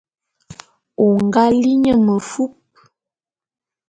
O nga li nye mefup.